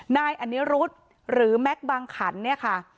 นายอันนี้รุ๊ดหรือแม็กบังขันธ์เนี่ยค่ะ